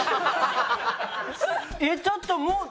えっちょっともう。